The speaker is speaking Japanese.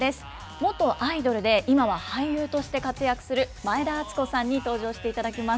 元アイドルで今は俳優として活躍する前田敦子さんに登場していただきます。